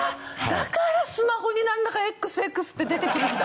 だからスマホになんだか「Ｘ」「Ｘ」って出てくるんだ！